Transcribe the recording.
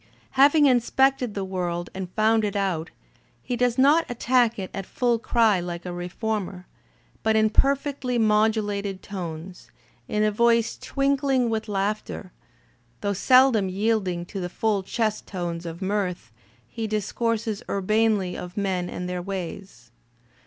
Having inspected the world and found it out, he does not attack it at full cry like a reformer; but in iierfectly modulated tones, in a voice twinkling with laughter, though seldom yielding to the full chest tones of mirth, he discourses urbanely of men and their ways.